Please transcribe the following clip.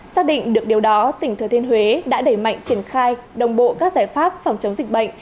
xác định được điều đó tỉnh thừa thiên huế đã đẩy mạnh triển khai đồng bộ các giải pháp phòng chống dịch bệnh